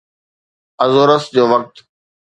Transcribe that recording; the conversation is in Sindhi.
ازورس جو وقت